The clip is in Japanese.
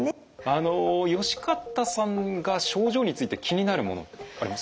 あの善方さんが症状について気になるものありますか？